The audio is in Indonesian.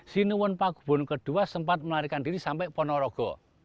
sinuun pakubun ii sempat melarikan diri sampai ponorogo